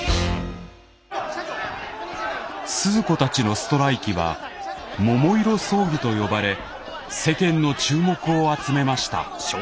スズ子たちのストライキは桃色争議と呼ばれ世間の注目を集めました。